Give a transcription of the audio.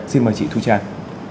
xin mời chị thu trang